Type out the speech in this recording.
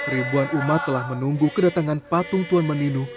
ribuan umat telah menunggu kedatangan patung tuan meninu